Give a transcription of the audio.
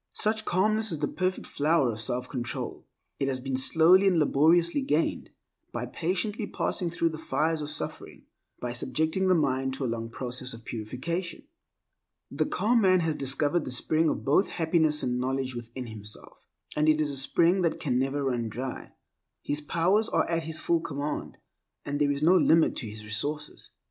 Such calmness is the perfect flower of self control. It has been slowly and laboriously gained, by patiently passing through the fires of suffering, by subjecting the mind to a long process of purification. The calm man has discovered the spring of both happiness and knowledge within himself, and it is a spring than can never run dry. His powers are at his full command, and there is no limit to his resources.